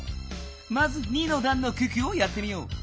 まず２のだんの九九をやってみよう。